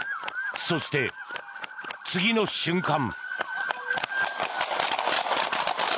そして、次の瞬間。